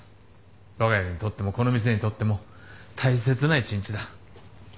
わが家にとってもこの店にとっても大切な一日だ。